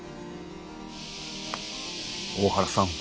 大原さん